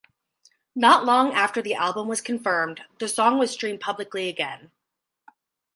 Not long after the album was confirmed, the song was streamed publicly again.